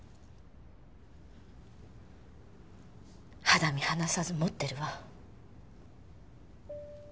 肌身離さず持ってるわ。